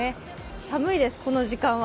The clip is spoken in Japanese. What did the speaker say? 寒いです、この時間は。